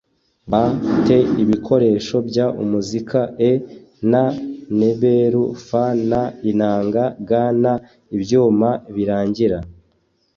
ba te ibikoresho by umuzika e na nebelu f n inanga g n ibyuma birangira